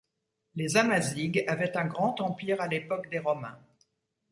Les Amazighs avaient un grand empire à l'époque des romains.